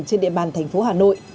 trên địa bàn thành phố hà nội